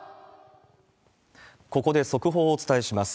ここで速報をお伝えします。